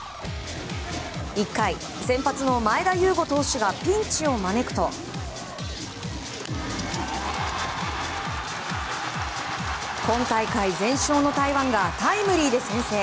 １回、先発の前田悠伍投手がピンチを招くと今大会、全勝の台湾がタイムリーで先制。